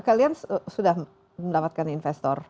kalian sudah mendapatkan investor